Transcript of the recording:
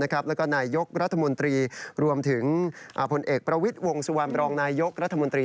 แล้วก็นายยกรัฐมนตรีรวมถึงผลเอกประวิทย์วงสุวรรณบรองนายยกรัฐมนตรี